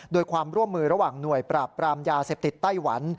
โดยความร่วมมือระหว่างหน่วยปราบปรามยาเสพติดไต้หวัน